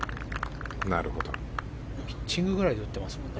ピッチングくらいで打っていますね。